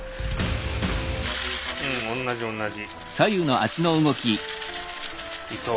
うん同じ同じ。